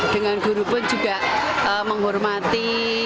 dengan guru pun juga menghormati